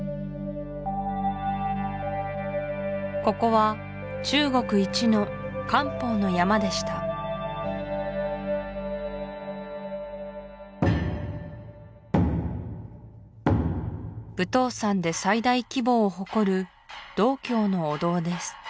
ここは中国一の漢方の山でした武当山で最大規模を誇る道教のお堂です